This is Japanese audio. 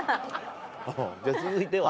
じゃ続いては？